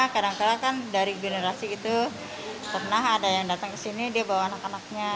kadang kadang kan dari generasi itu pernah ada yang datang ke sini dia bawa anak anaknya